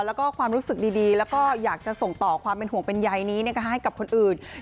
แล้วก็ความรู้สึกดีแล้วก็อยากจะส่งต่อความเป็นห่วงเป็นใยนี้ให้กับคนอื่น